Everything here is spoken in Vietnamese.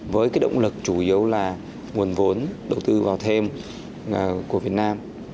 với cái động lực chủ yếu là nguồn vốn đầu tư vào thêm của việt nam